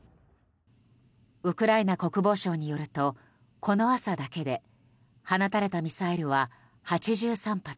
ウクライナ国防省によるとこの朝だけで放たれたミサイルは８３発。